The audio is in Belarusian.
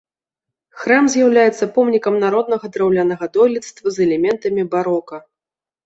Храм з'яўляецца помнікам народнага драўлянага дойлідства з элементамі барока.